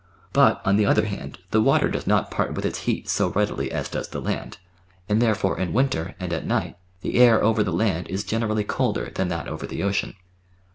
But, on the other hand, the water does not part with its heat so readily as does the land, and therefore in winter, and at night, the air over the land is generally colder than that over the ocean.